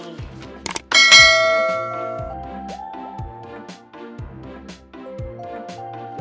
apa yang ini